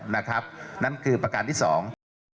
นั่นคือประการที่สอง